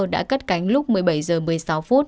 đã cất cánh lúc một mươi bảy h một mươi sáu phút